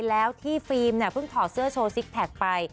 แล้วที่ฟิล์มเนี่ยเพิ่งถอดเสื้อโชว์ซิกแพคไป